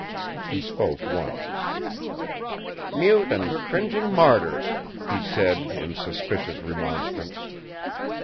He spoke once. "Mute and cringing martyrs!" he said, in suspicious remonstrance.